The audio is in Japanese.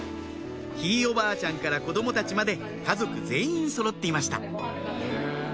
ひいおばあちゃんから子供たちまで家族全員そろっていました